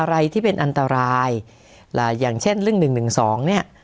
อะไรที่เป็นอันตรายอย่างเช่นเรื่อง๑๑๒เนี่ย